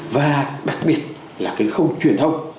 và đặc biệt là cái khâu truyền thông